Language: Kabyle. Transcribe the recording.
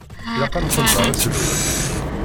Ilaq ad nxebber aselway.